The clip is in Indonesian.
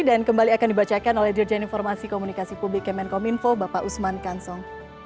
dan kembali akan dibacakan oleh dirjen informasi komunikasi publik kemenkom info bapak usman kansong